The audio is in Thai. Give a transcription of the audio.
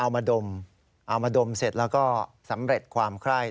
เอามาดมเสร็จแล้วก็สำเร็จความคล่าย